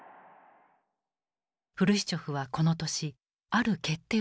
フルシチョフはこの年ある決定を下す。